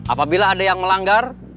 apabila ada yang melanggar